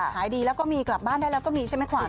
หายดีแล้วก็มีกลับบ้านได้แล้วก็มีใช่ไหมขวัญ